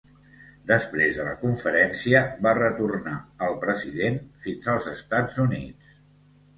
Després de la conferència, va retornar al president fins als Estats Units.